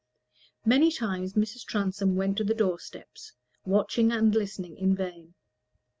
Meantime Mrs. Transome went to the door steps, watching and listening in vain.